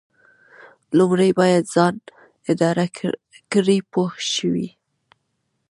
لومړی باید ځان اداره کړئ پوه شوې!.